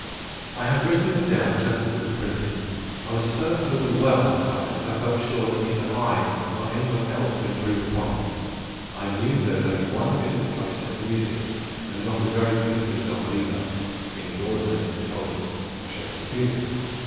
I have written this down just as it was printed. I was so overwhelmed by it that I felt sure that neither I nor anyone else could improve upon it. I knew there was only one bit of the play set to music and not a very beautiful example either in the ordinary anthologies of Shakespeare's music.